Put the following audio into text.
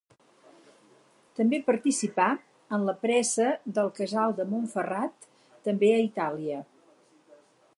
També participà en la pressa del Casal de Montferrat també a Itàlia.